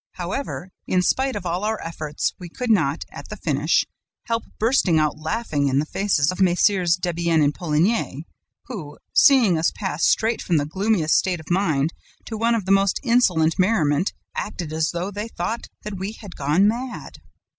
However, in spite of all our efforts, we could not, at the finish, help bursting out laughing in the faces of MM. Debienne and Poligny, who, seeing us pass straight from the gloomiest state of mind to one of the most insolent merriment, acted as though they thought that we had gone mad.